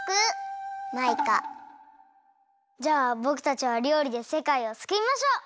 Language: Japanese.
じゃあぼくたちはりょうりでせかいをすくいましょう！